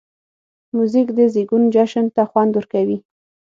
موزیک د زېږون جشن ته خوند ورکوي.